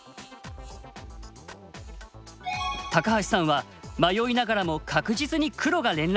橋さんは迷いながらも確実に黒が連絡。